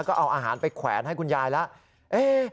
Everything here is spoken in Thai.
ก็เอาอาหารไปแขวนให้คุณยายแล้ว